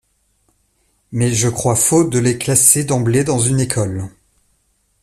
Mais je crois faux de les classer d'emblée dans une école.